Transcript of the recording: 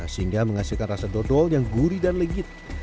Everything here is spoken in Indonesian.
sehingga menghasilkan rasa dodol yang gurih dan legit